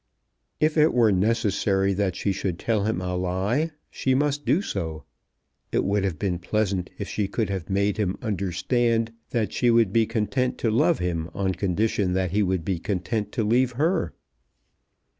If it were necessary that she should tell him a lie, she must do so. It would have been pleasant if she could have made him understand that she would be content to love him on condition that he would be content to leave her.